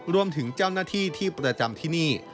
รวมถึงเจ้าหน้าที่ที่ประจำที่นี่